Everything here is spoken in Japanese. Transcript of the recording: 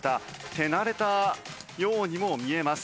手慣れたようにも見えます。